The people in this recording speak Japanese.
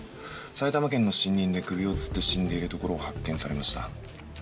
埼玉県の森林で首をつって死んでいるところを発見されました。